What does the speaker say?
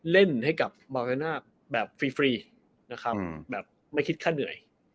เล่นให้กับแบบฟรีฟรีนะครับอืมแบบไม่คิดค่าเหนื่อย